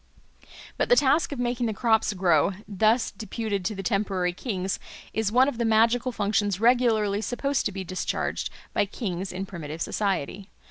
But the task of making the crops grow, thus deputed to the temporary kings, is one of the magical functions regularly supposed to be discharged by kings in primitive society.